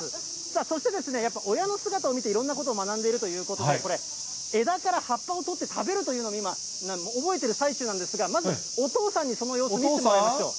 そして、やっぱり親の姿を見て、いろんなことを学んでいるということで、これ、枝から葉っぱを取って食べるというのに、今、覚えてる最中なんですが、まずお父さんに、その様子を見せてもらいましょう。